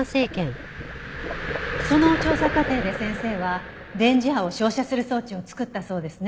その調査過程で先生は電磁波を照射する装置を作ったそうですね。